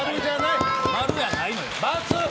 ○やないのよ！